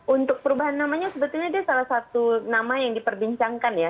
untuk perubahan namanya sebetulnya dia salah satu nama yang diperbincangkan ya